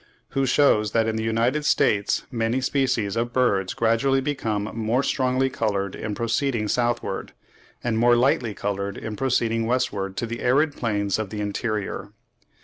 who shews that in the United States many species of birds gradually become more strongly coloured in proceeding southward, and more lightly coloured in proceeding westward to the arid plains of the interior.